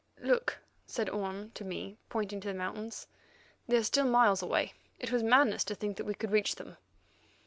"Look," said Orme to me, pointing to the mountains, "they are still miles away. It was madness to think that we could reach them."